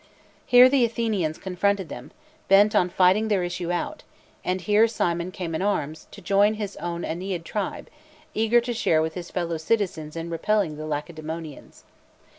Here the Athenians confronted them, bent on fight ing their issue out, and here Cimon came in arms, to join his own Oeneid tribe, eager to share with. his fellow citizens in .repelling, the _Lacedaemonians.